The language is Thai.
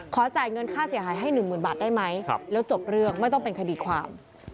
จ่ายเงินค่าเสียหายให้๑๐๐๐บาทได้ไหมแล้วจบเรื่องไม่ต้องเป็นคดีความ